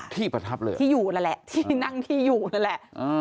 ประทับเลยที่อยู่นั่นแหละที่นั่งที่อยู่นั่นแหละ